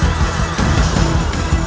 aku tidak mau jauh